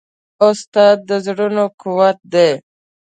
استاد د زړونو قوت دی.